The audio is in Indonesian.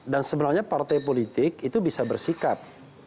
dan sebenarnya partai politik itu bisa bersikap